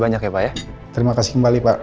banyak ya pak ya terima kasih kembali pak